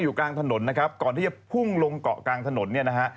อยู่กลางถนนนะครับก่อนที่จะพุ่งลงเกาะกลางถนนเนี่ยนะฮะ